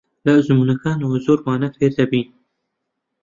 لە ئەزموونەکانەوە زۆر وانە فێر دەبین.